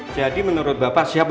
jadi menurut bapak siapa pelakunya